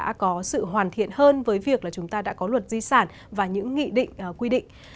đã có sự hoàn thiện hơn với việc là chúng ta đã có luật di sản và những nghị định quy định